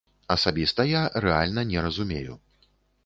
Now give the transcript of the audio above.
Асабіста я рэальна не разумею.